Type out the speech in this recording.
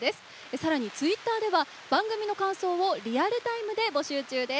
さらにツイッターでは番組の感想をリアルタイムで募集中です。